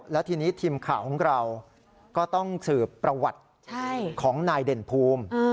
และทีนี้ทีมข่าวของเราก็ต้องสืบประวัติของนายเด่นภูมิ